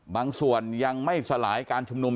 บางส่วนยังไม่สลายการชุมนุม